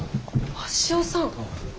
鷲尾さん？